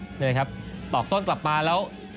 นี่นะครับตอกส้นกลับมาแล้ว